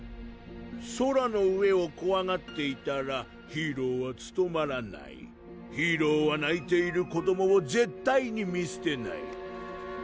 「空の上をこわがっていたらヒーローはつとまらない」「ヒーローはないている子どもを絶対に見すてない」